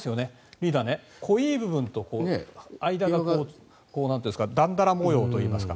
リーダー、濃い部分と間がだんだら模様といいますか。